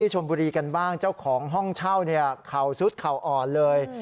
ที่ชมบุรีกันบ้างเจ้าของห้องเช่าข่าวสุดข่าวอ่อนเลย